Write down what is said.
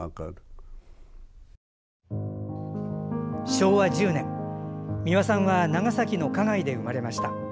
昭和１０年、美輪さんは長崎の花街で生まれました。